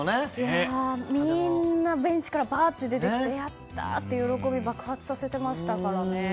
みんなベンチから出てきてやったーって喜びを爆発させていましたからね。